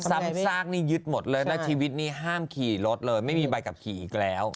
ซ้ำซากนี่ยึดหมดเลยแล้วชีวิตนี้ห้ามขี่รถเลยไม่มีใบขับขี่อีกแล้ว